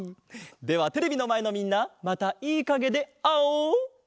ではテレビのまえのみんなまたいいかげであおう！